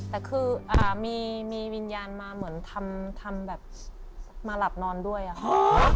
แต่คือมีวิญญาณมาเหมือนทำแบบมาหลับนอนด้วยอะค่ะ